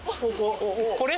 これ？